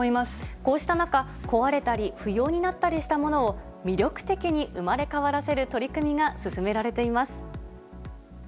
こうした中、壊れたり、不要になったりしたものを、魅力的に生まれ変わらせる取り組みが進められています。